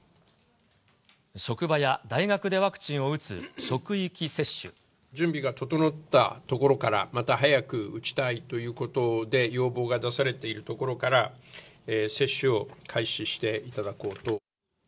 職場や大学でワクチンを打つ準備が整った所から、また早く打ちたいということで、要望が出されている所から、接種を開始していただこうと。